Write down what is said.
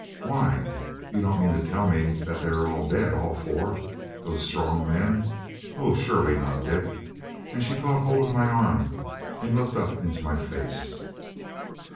'Why, you don't mean to tell me that they are all dead, all four? those strong men! Oh, surely not, Dick?' and she caught hold of my arm, and looked up into my face.